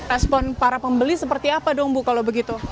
respon para pembeli seperti apa dong bu kalau begitu